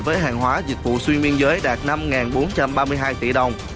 với hàng hóa dịch vụ xuyên biên giới đạt năm bốn trăm ba mươi hai tỷ đồng